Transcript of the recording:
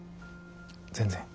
全然。